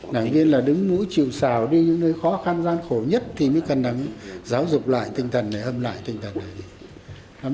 đảng viên là đứng mũi chịu xào đi những nơi khó khăn gian khổ nhất thì mới cần nắm giáo dục lại tinh thần để âm lại tinh thần này